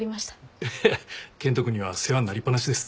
健人君には世話になりっぱなしです。